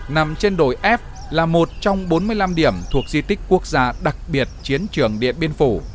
nằm trên đồi f là một trong bốn mươi năm điểm thuộc di tích quốc gia đặc biệt chiến trường điện biên phủ